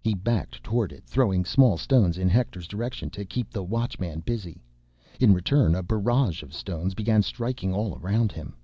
He backed toward it, throwing small stones in Hector's direction to keep the Watchman busy. In return, a barrage of stones began striking all around him.